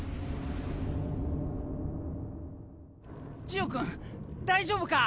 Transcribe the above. ジオ君大丈夫か？